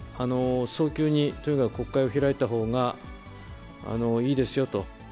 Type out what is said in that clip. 早急に、とにかく国会を開いたほうがいいですよと。